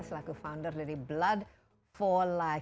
selaku founder dari blood for life